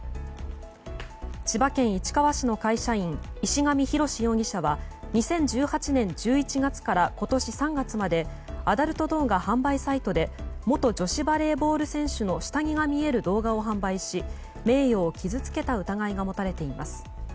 千葉県市川市の会社員石上浩志容疑者は２０１８年１１月から今年３月までアダルト動画販売サイトで元女子バレーボール選手の下着が見える動画を販売し名誉を傷つけた疑いが持たれています。